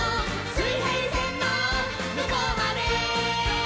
「水平線のむこうまで」